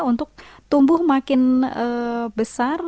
untuk tumbuh semakin besar